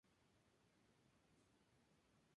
Está situado en la parte central de la Vega de Granada.